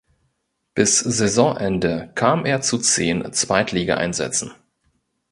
Bis Saisonende kam er zu zehn Zweitligaeinsätzen.